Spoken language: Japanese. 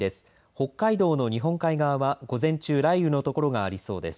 北海道の日本海側は午前中雷雨のところがありそうです。